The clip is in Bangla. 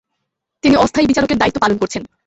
তিনি অস্থায়ী বিচারকের দায়িত্ব পালন করেছেন।